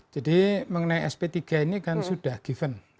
jadi mengenai sp tiga ini kan sudah given